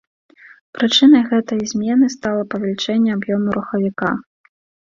Прычынай гэтай змены стала павелічэнне аб'ёму рухавіка.